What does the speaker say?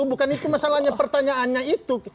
bukan itu masalahnya pertanyaannya itu